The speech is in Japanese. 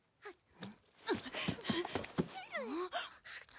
あっ！